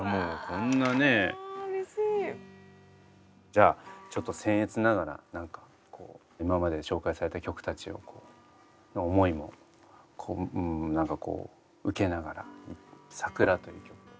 じゃちょっとせん越ながら何かこう今までに紹介された曲たちをこう。の思いも何かこう受けながら「さくら」という曲を。